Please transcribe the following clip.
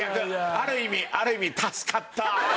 ある意味ある意味助かった。